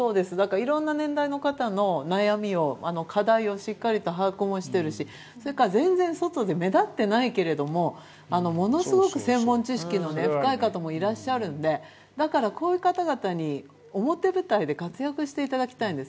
いろんな年代の方の悩み、課題をしっかりと把握もしているし、全然外で目立ってないけれども、ものすごく専門知識の深い方もいらっしゃるのでだから、こういう方々に表舞台で活躍していただきたいんです。